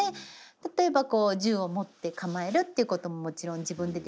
例えば銃を持って構えるっていうことももちろん自分でできますし。